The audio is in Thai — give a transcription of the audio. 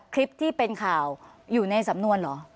คลิปที่เป็นข่าวอยู่ในสำนวนเหรอ